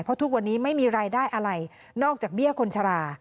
เพราะทุกวันนี้ไม่มีรายได้อะไรนอกจากเบี้ยคนชรา